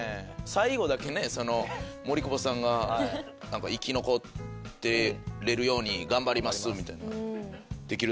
最後だけねその森久保さんが何か生き残ってれるように頑張りますみたいな。